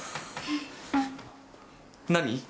何？